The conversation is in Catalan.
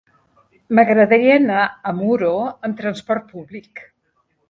M'agradaria anar a Muro amb transport públic.